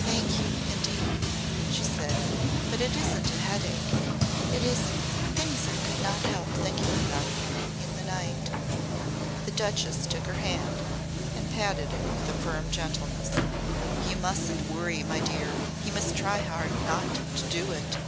"Thank you indeed!" she said. "But it isn't headache. It is things I could not help thinking about in the night." The Duchess took her hand and patted it with firm gentleness. "You mustn't, my dear. You must try hard not to do it.